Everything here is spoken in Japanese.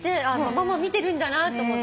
ママ見てるんだなと思って。